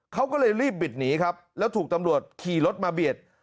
เขาก็เลยรีบบิดหนีครับแล้วถูกตำรวจขี่รถมาเบียด